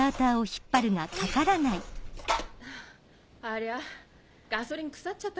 ありゃ？